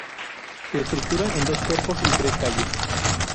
Se estructura en dos cuerpos y tres calles.